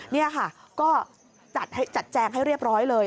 นี่ค่ะก็จัดแจงให้เรียบร้อยเลย